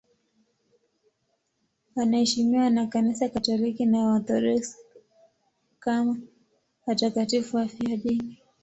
Wanaheshimiwa na Kanisa Katoliki na Waorthodoksi kama watakatifu wafiadini.